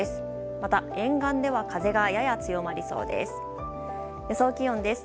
また、沿岸では風がやや強まりそうです。